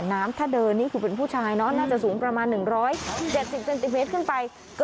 น้ำถ้าเดินนี่คือเป็นผู้ชายเนอะน่าจะสูงประมาณ๑๗๐เซนติเมตรขึ้นไป